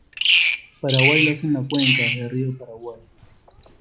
En Paraguay lo hace en la cuenca del río Paraguay.